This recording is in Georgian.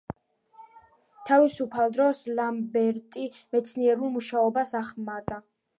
თავისუფალ დროს ლამბერტი მეცნიერულ მუშაობას ახმარდა.